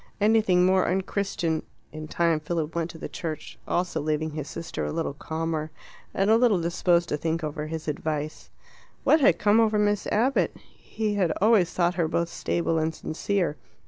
Anything more unchristian " In time Philip went to the church also, leaving his sister a little calmer and a little disposed to think over his advice. What had come over Miss Abbott? He had always thought her both stable and sincere.